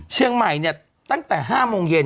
เชียงใหม่เนี่ยตั้งแต่๕โมงเย็น